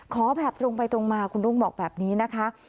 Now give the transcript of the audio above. ขอแบบตรงไปตรงมาคุณรุ้งบอกแบบนี้นะคะ